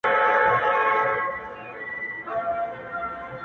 په شپو شپو یې سره کړي وه مزلونه!.